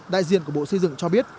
đại diện của bộ xây dựng cho biết